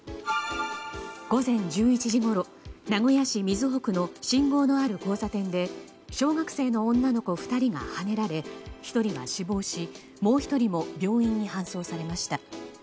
午前１１時ごろ名古屋市瑞穂区の信号のある交差点で小学生の女の子２人がはねられ１人が死亡しもう１人も病院に搬送されました。